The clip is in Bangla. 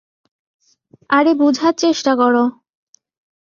আরে, বুঝার চেষ্টা করো।